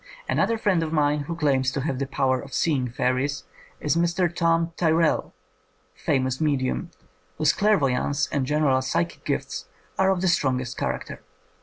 Another friend of mine who claims to have the power of seeing fairies is Mr. Tom Tyrrell, the famous medium, whose clair voyance and general psychic gifts are of the strongest character.